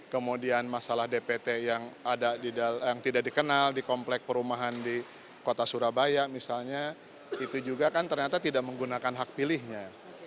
kemudian masalah dpt yang tidak dikenal di komplek perumahan di kota surabaya misalnya itu juga kan ternyata tidak menggunakan hak pilihnya